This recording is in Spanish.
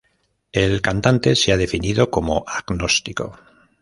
El cantante se ha definido como agnóstico.